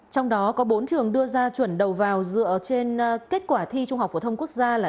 trong đó có bốn trường đưa ra chuẩn đầu vào dựa trên kết quả thi trung học phổ thông quốc gia